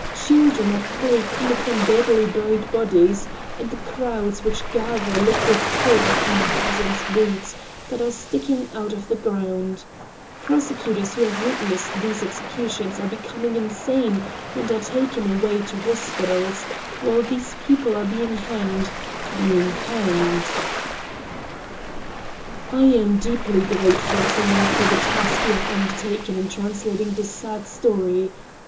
Children at play come upon badly buried bodies, and the crowds which gather look with horror upon the peasants' boots that are sticking out of the ground; prosecutors who have witnessed these executions are becoming insane and are taken away to hospitals—while the people are being hanged—being hanged. I am deeply grateful to you for the task you have undertaken in translating this sad story.